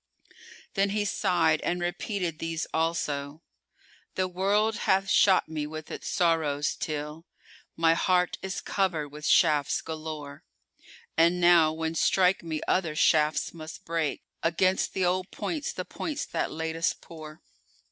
Then he signed and repeated these also, "The World hath shot me with its sorrows till * My heart is coverèd with shafts galore; And now, when strike me other shafts, must break * Against th' old points the points that latest pour."